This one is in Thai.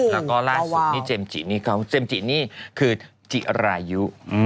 แล้วก็ล่าสุดนี่เจมส์จินี่เขาเจมส์จินี่คือจิรายุ